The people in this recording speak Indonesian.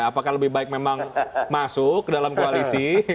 apakah lebih baik memang masuk ke dalam koalisi